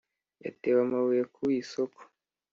yatewe amabuye ku isoko